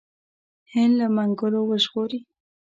هند له منګولو وژغوري.